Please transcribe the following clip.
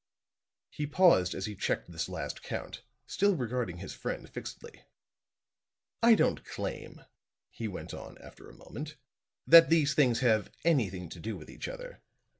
He paused as he checked this last count, still regarding his friend fixedly. "I don't claim," he went on, after a moment, "that these things have anything to do with each other.